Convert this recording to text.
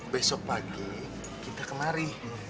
besok pagi kita kemari